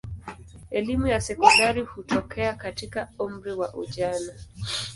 Elimu ya sekondari hutokea katika umri wa ujana.